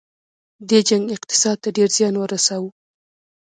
دې جنګ اقتصاد ته ډیر زیان ورساوه.